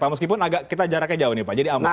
meskipun agak kita jaraknya jauh nih pak jadi aman